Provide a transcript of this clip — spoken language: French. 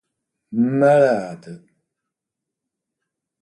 malade!